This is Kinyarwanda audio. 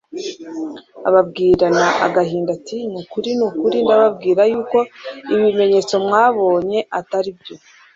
Ababwirana agahinda ati: "Ni ukuri ni ukuri ndababwira yuko ibimenyetso mwabonye atari byo